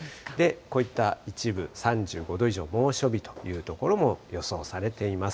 こういった一部、３５度以上、猛暑日という所も予想されています。